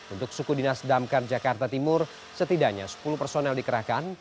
untuk suku dinas damkar jakarta timur setidaknya sepuluh personel dikerahkan